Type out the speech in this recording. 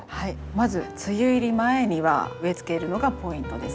まず梅雨入り前には植えつけるのがポイントです。